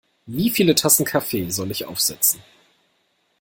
Wie viele Tassen Kaffee soll ich aufsetzen?